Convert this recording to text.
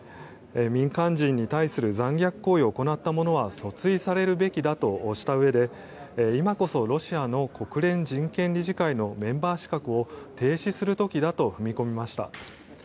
民間人に対する残虐行為を行ったものは訴追されるべきだとしたうえで今こそロシアの国連人権理事会のメンバー資格を停止する時だと踏み込みました。